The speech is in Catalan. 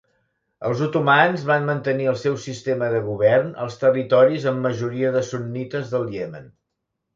Els otomans van mantenir el seu sistema de govern als territoris amb majoria de sunnites del Iemen.